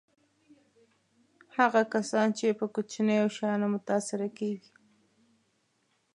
هغه کسان چې په کوچنیو شیانو متأثره کېږي.